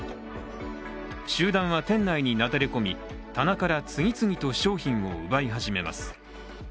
集団は店内になだれ込み、棚から次々と商品を奪い始めます。